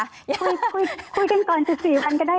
คุยกันก่อน๑๔วันก็ได้เรื่องอื่นก็ได้